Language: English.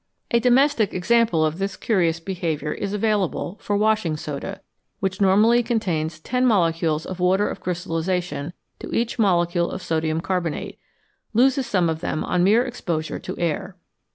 A domestic example of this 319 FROM SOLUTIONS TO CRYSTALS curious behaviour is available, for washing soda, which normally contains ten molecules of water of crystallisation to each molecule of sodium carbonate, loses some of them on mere exposure to the air.